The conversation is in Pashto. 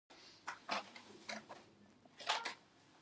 ده ته به مو ویل، هر څه چې ستا زړه غواړي هغه راوړه.